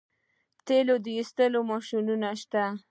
د تیلو د ایستلو ماشینونه شته.